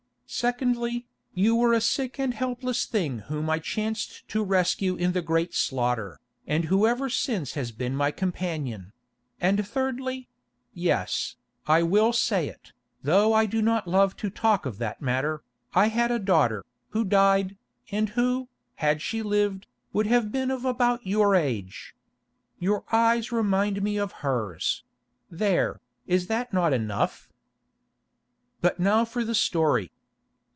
Secondly, you were a sick and helpless thing whom I chanced to rescue in the great slaughter, and who ever since has been my companion; and thirdly—yes, I will say it, though I do not love to talk of that matter, I had a daughter, who died, and who, had she lived, would have been of about your age. Your eyes remind me of hers—there, is that not enough? "But now for the story.